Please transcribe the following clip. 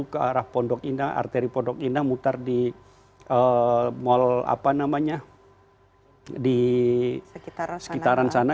ke arah pondok indah arteri pondok indah mutar di sekitaran sana